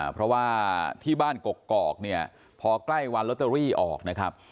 เพราะว่าที่บ้านกกอกเนี่ยพอใกล้วันลอตเตอรี่ออกนะครับ